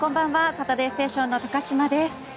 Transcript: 「サタデーステーション」の高島です。